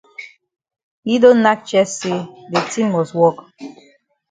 Yi don nack chest say de tin must wok.